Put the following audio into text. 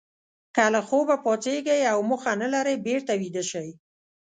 که له خوبه پاڅېږئ او موخه نه لرئ بېرته ویده شئ.